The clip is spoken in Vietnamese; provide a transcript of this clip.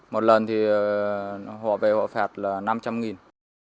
một lần thì họ về họ phạt là năm trăm linh nghìn